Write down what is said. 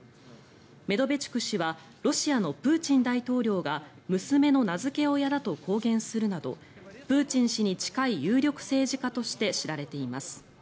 メドベチュク氏はロシアのプーチン大統領が娘の名付け親だと公言するなどプーチン氏に近い有力政治家として知られています。